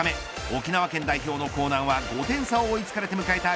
沖縄県代表の興南は５点差を追いつかれて迎えた